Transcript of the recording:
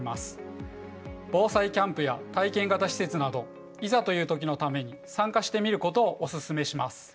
防災キャンプや体験型施設などいざという時のために参加してみることをお勧めします。